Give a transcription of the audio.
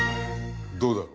どうだ？